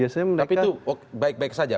tapi itu baik baik saja